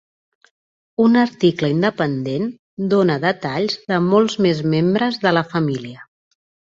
Un article independent dona detalls de molts més membres de la família.